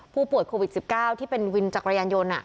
ผู้ป่วยโควิด๑๙ที่เป็นวินจักรยานยนต์